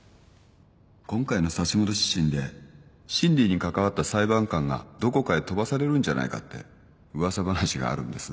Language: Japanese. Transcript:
「今回の差し戻し審で審理に関わった裁判官がどこかへ飛ばされるんじゃないかって噂話があるんです。